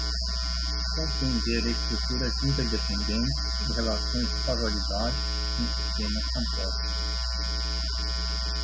Compreender estruturas interdependentes e relações de causalidade em sistemas complexos.